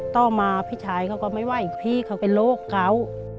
ต่อมาพี่ชายเขาก็ไม่ไหวพี่เขาเป็นโรคเขา